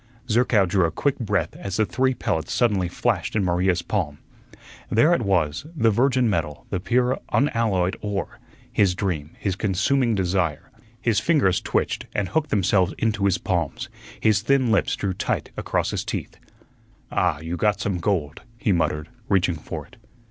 Zerkow drew a quick breath as the three pellets suddenly flashed in Maria's palm. There it was, the virgin metal, the pure, unalloyed ore, his dream, his consuming desire. His fingers twitched and hooked themselves into his palms, his thin lips drew tight across his teeth. "Ah, you got some gold," he muttered, reaching for it.